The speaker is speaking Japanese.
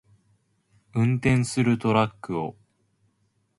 運転するトラックを